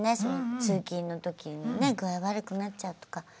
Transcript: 通勤の時にね具合悪くなっちゃうとか。